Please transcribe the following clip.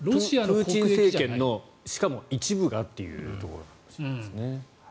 プーチン政権のしかも一部がというところですね。